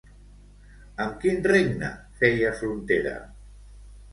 Amb quin regne feia frontera?